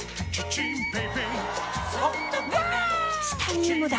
チタニウムだ！